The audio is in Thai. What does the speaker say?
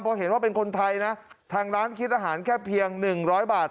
พอเห็นว่าเป็นคนไทยนะทางร้านคิดอาหารแค่เพียงหนึ่งร้อยบาท